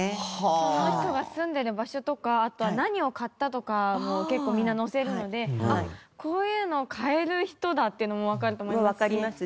その人が住んでる場所とかあとは何を買ったとかも結構みんな載せるのであっこういうのを買える人だっていうのもわかると思いますし。